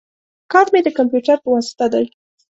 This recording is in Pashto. کار می د کمپیوټر په واسطه دی